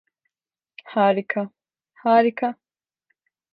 Harika, harika.